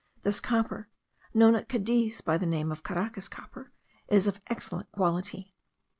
This copper, known at Cadiz by the name of Caracas copper, is of excellent quality.